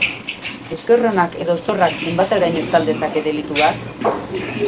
Esker onak edo zorrak zenbateraino estal dezake delitu bat?